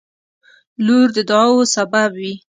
• لور د دعاوو سبب وي.